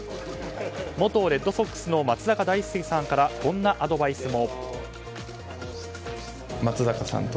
元レッドソックスの松坂大輔さんからこんなアドバイスも。